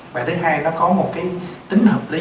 và thứ hai nó có một cái tính hợp lý